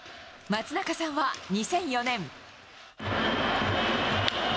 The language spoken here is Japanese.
松中さんは２００４年。